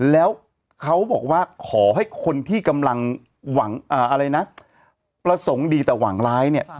แล้วเขาบอกว่าขอให้คนที่กำลังหวังอะไรนะประสงค์ดีแต่หวังร้ายเนี่ย